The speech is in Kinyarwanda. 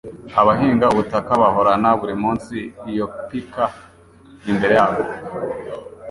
Abahinga ubutaka bahorana buri munsi iyo pica imbere yabo.